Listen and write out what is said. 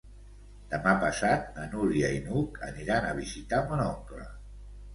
Demà passat na Núria i n'Hug aniran a visitar mon oncle.